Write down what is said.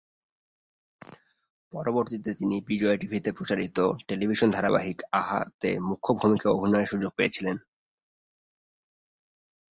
পরবর্তীতে তিনি বিজয় টিভিতে প্রচারিত টেলিভিশন ধারাবাহিক "আহা"-তে মুখ্য ভূমিকায় অভিনয়ের সুযোগ পেয়েছিলেন।